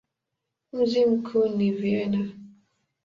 Mji mkuu ni Vienna.